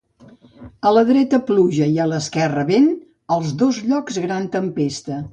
A la dreta pluja i a l'esquerra vent, als dos llocs gran tempesta.